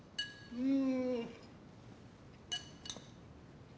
うん。